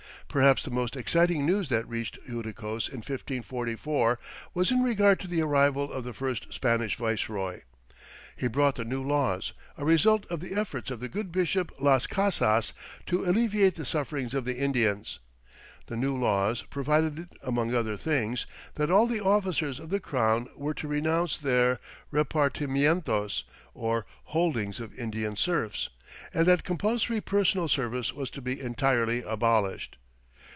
Perhaps the most exciting news that reached Uiticos in 1544 was in regard to the arrival of the first Spanish viceroy. He brought the New Laws, a result of the efforts of the good Bishop Las Casas to alleviate the sufferings of the Indians. The New Laws provided, among other things, that all the officers of the crown were to renounce their repartimientos or holdings of Indian serfs, and that compulsory personal service was to be entirely abolished.